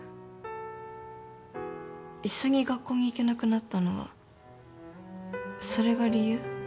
一緒に学校に行けなくなったのはそれが理由？